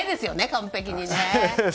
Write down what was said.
完璧にね。